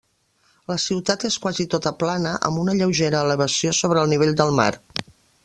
La ciutat és quasi tota plana, amb una lleugera elevació sobre el nivell del mar.